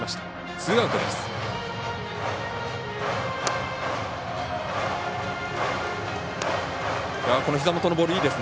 ツーアウトです。